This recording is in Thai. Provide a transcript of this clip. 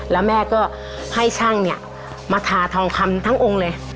แล้วแม่ก็ให้ช่างเนี่ยมาทาทองคำทั้งองค์เลย